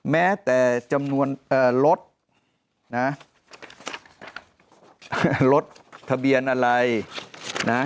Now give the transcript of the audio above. แม้แต่จำนวนเอ่อลดนะลดทะเบียนอะไรนะ